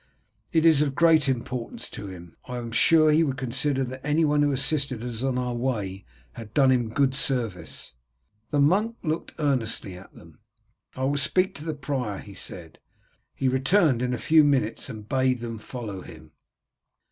"It is of great importance to him. I am sure that he would consider that any one who assisted us on our way had done him good service." The monk look earnestly at them. "I will speak to the prior," he said. He returned in a few minutes and bade them follow him.